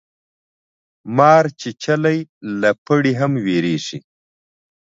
مار چیچلی له پړي هم ویریږي